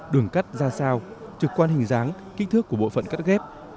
đường cắt ra sao trực quan hình dáng kích thước của bộ phận cắt ghép